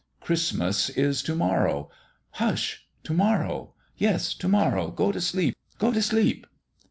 Christmas is to morrow. Hush ! To morrow. Yes ; to morrow. Go t' sleep ! Go t' sleep